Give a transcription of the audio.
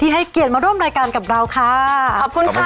ที่ให้เกรียญมาร่วมรายการกับเรากันนี่แล้วมากนะคะ